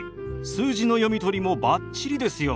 数字の読み取りもバッチリですよ。